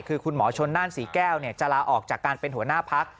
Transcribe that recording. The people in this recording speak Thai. คือคุณหมอชนน่านศรีแก้วจะลาออกจากการเป็นหัวหน้าพัก